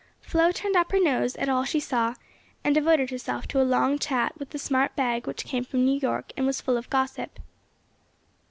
Flo turned up her nose at all she saw, and devoted herself to a long chat with the smart bag which came from New York and was full of gossip.